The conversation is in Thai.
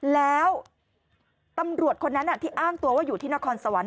แล้วตำรวจคนนั้นที่อ้างตัวว่าอยู่ที่นครสวรรค